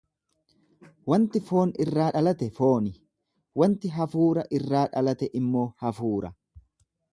Wanti foon irraa dhalate fooni, wanti hafuura irraa dhalate immoo hafuura.